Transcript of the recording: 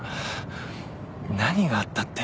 何があったって？